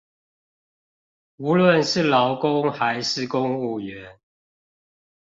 無論是勞工還是公務員